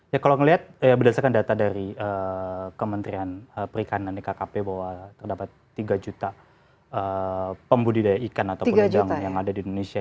ya kalau melihat berdasarkan data dari kementerian perikanan di kkp bahwa terdapat tiga juta pembudidaya ikan atau pedagang yang ada di indonesia